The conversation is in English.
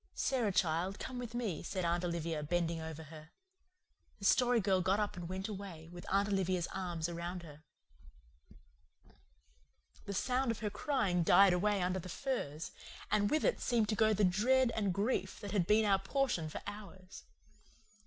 "Sara, child, come with me," said Aunt Olivia, bending over her. The Story Girl got up and went away, with Aunt Olivia's arms around her. The sound of her crying died away under the firs, and with it seemed to go the dread and grief that had been our portion for hours.